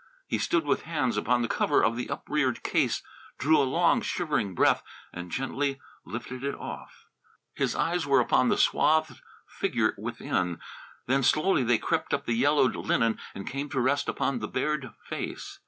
He stood with hands upon the cover of the upreared case, drew a long shivering breath and gently lifted it off. His eyes were upon the swathed figure within, then slowly they crept up the yellowed linen and came to rest upon the bared face.